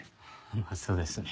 まあそうですね。